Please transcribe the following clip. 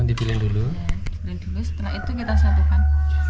dipilih dulu setelah itu kita satukan